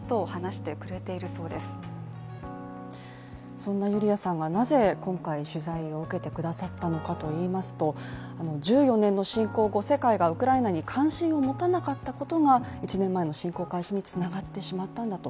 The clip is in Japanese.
そんなユリアさんがなぜ今回取材を受けてくださったのかといいますと１４年の侵攻後、世界がウクライナへ関心を持たなかったから１年前の侵攻開始につながってしまったんだと。